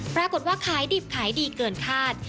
ปรากฏว่าขายดิบขายดีเกินคาด